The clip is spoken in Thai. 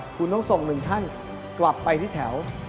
คุณต้องส่งหนึ่งท่านกลับไปที่แถว